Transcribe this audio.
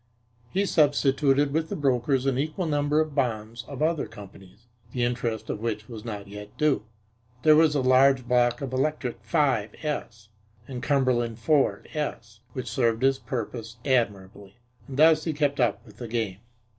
He substituted with the brokers an equal number of bonds of other companies, the interest upon which was not yet due. There was a large block of Electric 5s and Cumberland 4s which served his purpose admirably, and thus he kept up with the game.